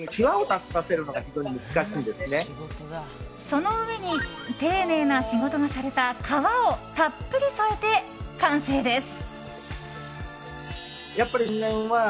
その上に丁寧な仕事がされた皮をたっぷり添えて完成です。